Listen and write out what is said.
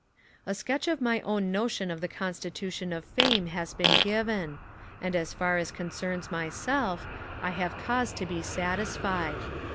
A sketch of my own notion of the constitution of Fame has been given; and, as far as concerns myself, I have cause to be satisfied.